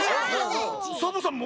サボさんも？